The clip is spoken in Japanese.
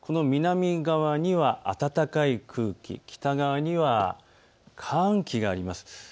南側には暖かい空気、北側には寒気があります。